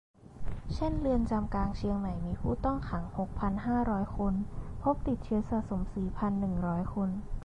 เช่น เรือนจำกลางเชียงใหม่ มีผู้ต้องขังหกพันห้าร้อยคน พบติดเชื้อสะสมสี่พันหนึ่งร้อยคน